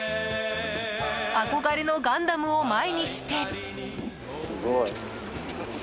憧れのガンダムを前にして。